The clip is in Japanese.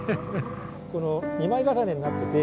この２枚重ねになってて。